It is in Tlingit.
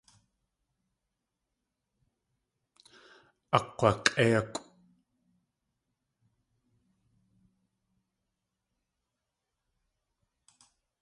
Akg̲wak̲ʼéikʼw.